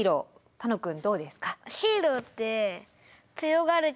楽くんどうですか？